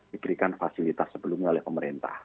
diberikan fasilitas sebelumnya oleh pemerintah